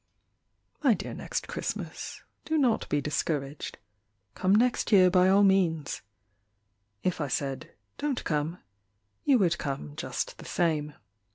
My dear Next Christmas, Do not be discouraged, Come next year by all means; If I said "Don't come" You would come just the same.